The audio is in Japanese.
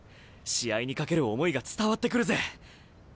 試合に懸ける思いが伝わってくるぜ！